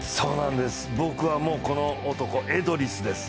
僕はこの男、エドリスです。